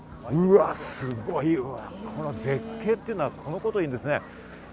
すごいわ、この絶景っていうのはこのことをいうんですね。